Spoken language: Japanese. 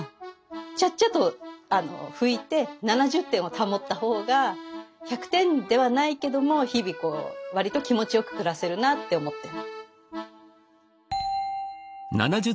ちゃっちゃっと拭いて７０点を保った方が１００点ではないけども日々こう割と気持ちよく暮らせるなって思ってる。